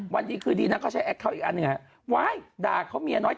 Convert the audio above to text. วันนี้คือดีน่ะก็ใช้แอ่ดเขาอีกอันนึงไหมด่าเขาเมียน้อย